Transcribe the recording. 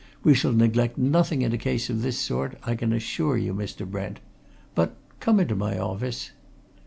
We shall neglect nothing in a case of this sort, I can assure you, Mr. Brent. I But come into my office."